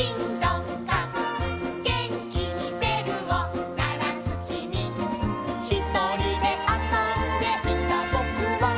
「げんきにべるをならすきみ」「ひとりであそんでいたぼくは」